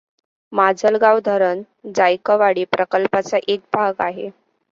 माजलगाव धरण जायकवाडी प्रकल्पाचा एक भाग आहे.